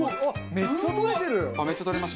めっちゃ取れます？